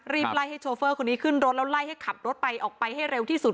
ไล่ให้โชเฟอร์คนนี้ขึ้นรถแล้วไล่ให้ขับรถไปออกไปให้เร็วที่สุด